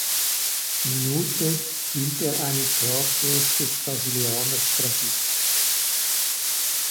Minute, hielt er einen Strafstoß des Brasilianers Grafite.